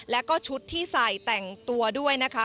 แล้วก็ชุดที่ใส่แต่งตัวด้วยนะคะ